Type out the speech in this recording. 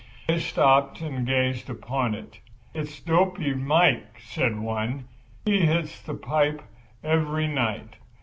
They stopped and gazed upon it. "It's Dopy Mike," said one. "He hits the pipe every night.